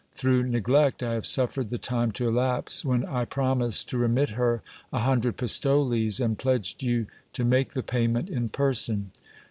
Through neglect I have suffered the time to elapse when I promised to remit her a hundred pistoles, and pledged you to make the payment in person.